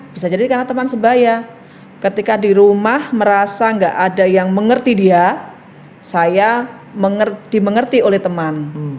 bisa jadi karena teman sebaya ketika di rumah merasa nggak ada yang mengerti dia saya dimengerti oleh teman